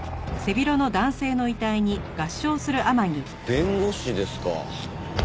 弁護士ですか。